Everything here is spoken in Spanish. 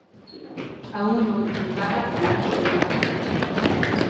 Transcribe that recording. Aún no utilizaba el algodón.